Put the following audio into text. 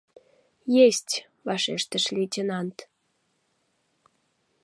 — Есть! — вашештыш лейтенант.